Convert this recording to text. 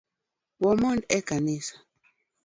Wamond ekanisa